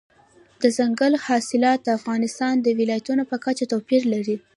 دځنګل حاصلات د افغانستان د ولایاتو په کچه توپیر لري.